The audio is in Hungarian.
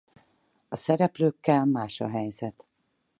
A szereplőkkel más a helyzet.